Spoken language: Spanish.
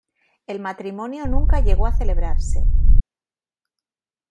El matrimonio nunca llegó a celebrarse.